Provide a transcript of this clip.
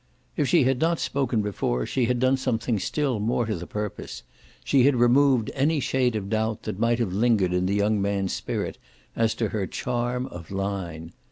If she had not spoken before she had done something still more to the purpose; she had removed any shade of doubt that might have lingered in the young man's spirit as to her charm of line.